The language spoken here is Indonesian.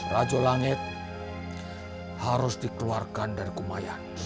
rajo langit harus dikeluarkan dari kumayan